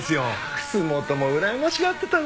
楠本もうらやましがってたな。